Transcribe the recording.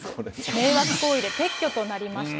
迷惑行為で撤去となりました。